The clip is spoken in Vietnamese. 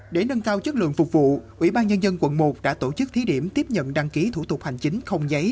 để nâng cao chất lượng phục vụ ủy ban nhân dân quận một đã tổ chức thí điểm tiếp nhận đăng ký thủ tục hành chính không giấy